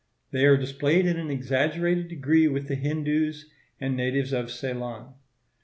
They are displayed in an exaggerated degree with the Hindoos and natives of Ceylon.